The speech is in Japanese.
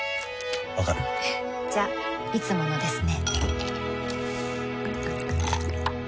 わかる？じゃいつものですね